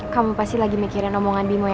kamu pasti lagi mikirin omongan bimo ya